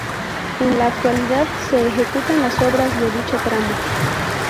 En la actualidad se ejecutan las obras de dicho tramo.